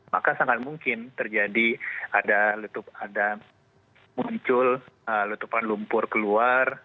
maka sangat mungkin terjadi ada muncul letupan lumpur keluar